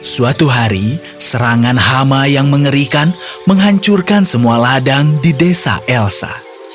suatu hari serangan hama yang mengerikan menghancurkan semua ladang di desa elsa